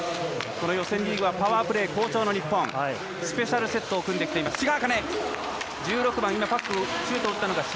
予選リーグはパワープレー好調の日本スペシャルセットを組んできています。